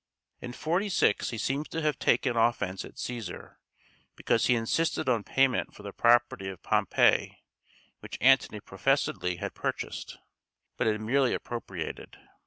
In 46 he seems to have taken offence at Cæsar, because he insisted on payment for the property of Pompey which Antony professedly had purchased, but had merely appropriated.